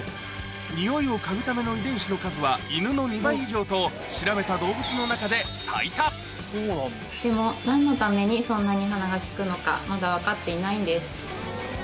においを嗅ぐための遺伝子の数は犬の２倍以上と調べた動物の中ででもなんのためにそんなに鼻が利くのか、まだ分かっていないんです。